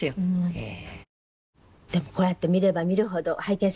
ええ。